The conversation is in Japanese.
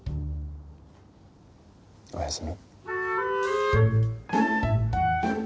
おやすみ。